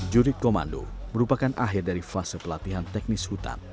jurid komando merupakan akhir dari fase pelatihan teknis hutan